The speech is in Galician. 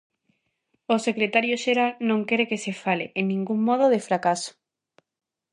O Secretario Xeral non quere que se fale, en ningún modo, de fracaso.